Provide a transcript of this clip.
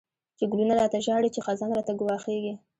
چی گلونه را ته ژاړی، چی خزان راته گواښیږی